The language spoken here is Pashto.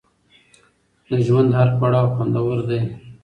د ژوند هر پړاو خوندور دی.